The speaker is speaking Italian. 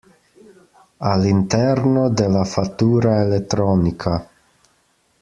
All'interno della fattura elettronica.